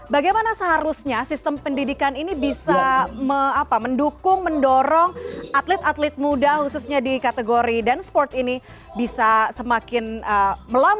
bagaimana seharusnya sistem pendidikan ini bisa mendukung mendorong atlet atlet muda khususnya di kategori danceport ini bisa semakin melambat